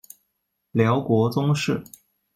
辽国宗室。